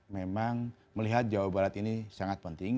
memang melihat jawa barat ini sangat penting